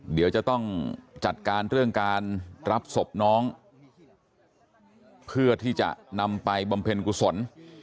เดี๋ยวจะต้องจัดการเรื่องการรับศพน้องเพื่อที่จะนำไปบำเพ็ญกุศล